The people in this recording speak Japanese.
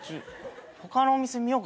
他のお店見ようか？